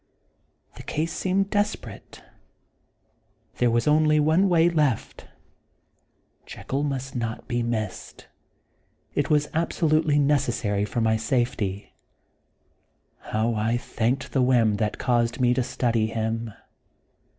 The case seemed desperate. There was only one way left, ŌĆö Jekyll must not be missed ; it was absolutely necessary for my safety. How I thanked the whim that caused me to study him.